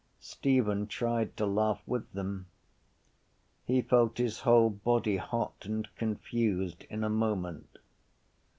Stephen tried to laugh with them. He felt his whole body hot and confused in a moment.